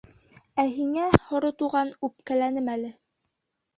— Ә һиңә, Һоро Туған, үпкәләнем әле.